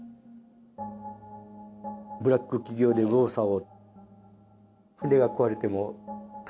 「ブラック企業で右往左往」